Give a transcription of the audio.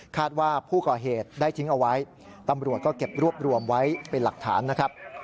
ว่าผู้ก่อเหตุได้ทิ้งเอาไว้ตำรวจก็เก็บรวบรวมไว้เป็นหลักฐานนะครับ